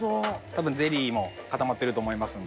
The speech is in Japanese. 多分ゼリーも固まってると思いますので。